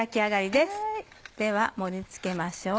では盛り付けましょう。